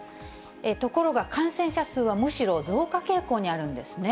ところが、感染者数はむしろ増加傾向にあるんですね。